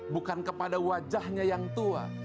bukan kepada wajahnya yang tua